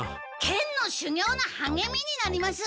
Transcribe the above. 剣の修行のはげみになります！